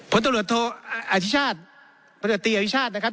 ผลตเถอะหรัทโทอาทิชชาติโบราณศิลปิศาจนะครับ